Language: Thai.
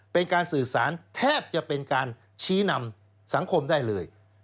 เป็นการสื่อสารแทบจะเป็นการชี้นำสังคมได้เลย